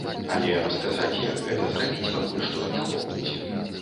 Але расказаць, як гэта зрабіць, пакуль што не могуць.